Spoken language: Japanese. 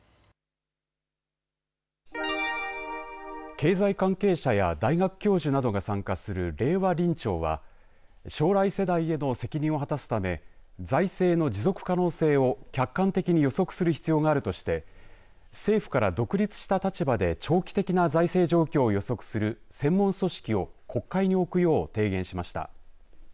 経済関係者や大学教授などが参加する令和臨調は将来世代への責任を果たすため財政の持続可能性を客観的に予測する必要があるとして政府から独立した立場で長期的な財政状況を予測する専門組織を国会に置くよう提言しました。